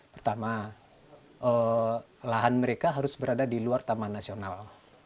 pertama lahan mereka harus berada di luar taman nasional